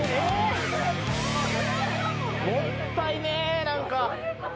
もったいねえ何か。